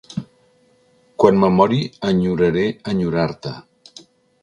"Quan me mori enyoraré enyorar-te"